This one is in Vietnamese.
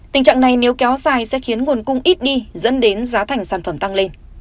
tình trạng này nếu kéo dài sẽ khiến nguồn cung ít đi dẫn đến giá thành sản phẩm tăng lên